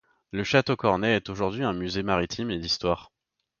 Le château Cornet est aujourd'hui un musée maritime et d'histoire.